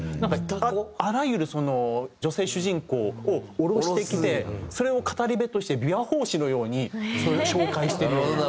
あらゆる女性主人公を降ろしてきてそれを語り部として琵琶法師のようにそれを紹介してるような。